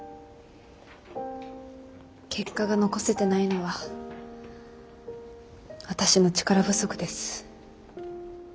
結果が残せてないのは私の力不足です。